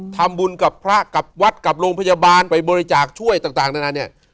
ทำบุญกับพระกับวัดกับโรงพยาบาลไปบริจาคช่วยต่างนานาเนี่ย